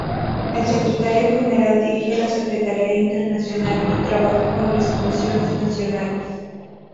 El Secretario General dirige la Secretaría Internacional y trabaja con las comisiones nacionales.